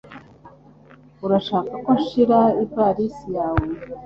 Urashaka ko nshira ivalisi yawe?